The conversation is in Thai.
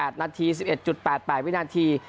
คุณพองครับ๑๑๘๘วินาที